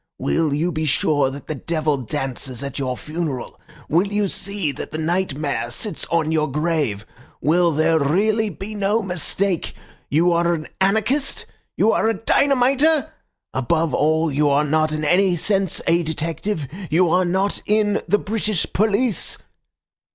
Will you be sure that the devil dances at your funeral? Will you see that the nightmare sits on your grave? Will there really be no mistake? You are an anarchist, you are a dynamiter! Above all, you are not in any sense a detective? You are not in the British police?"